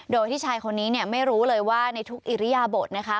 โดยที่ชายคนนี้เนี่ยไม่รู้เลยว่าในทุกอิริยบทนะคะ